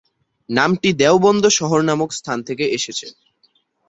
নামটি দেওবন্দ শহর নামক স্থান থেকে এসেছে।